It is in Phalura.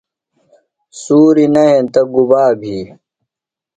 سُوری نہ ہنتہ گُبا بھی؟